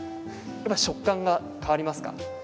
やはり食感が変わりますか？